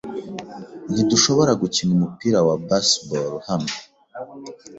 Ntidushobora gukina umupira wa baseball hano.